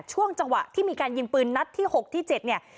ช่วงจังหวะที่มีการยิงปืนนัดที่๖ที่๗เนี่ย